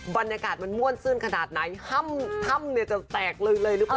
บรรยากาศมันม่วนซื่นขนาดไหนทำจะแตกเลยเลยรึเปล่า